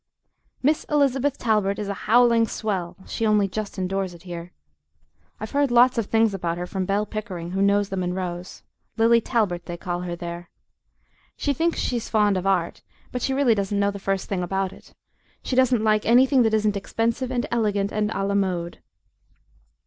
Miss Elizabeth Talbert is a howling swell; she only just endures it here. I've heard lots of things about her from Bell Pickering, who knows the Munroes Lily Talbert, they call her there. She thinks she's fond of Art, but she really doesn't know the first thing about it she doesn't like anything that isn't expensive and elegant and a la mode.